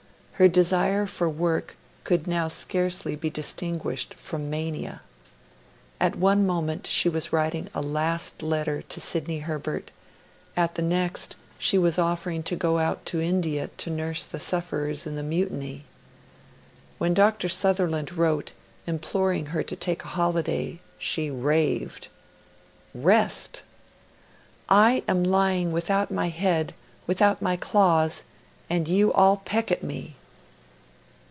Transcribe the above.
Her desire for work could now scarcely be distinguished from mania. At one moment she was writing a 'last letter' to Sidney Herbert; at the next she was offering to go out to India to nurse the sufferers in the Mutiny. When Dr. Sutherland wrote, imploring her to take a holiday, she raved. Rest! 'I am lying without my head, without my claws, and you all peck at me.